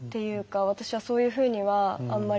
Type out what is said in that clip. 私はそういうふうにはあんまり思わない。